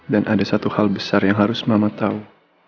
dan ada satu hal besar yang harus mama tahu